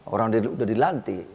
orang itu sudah dilantik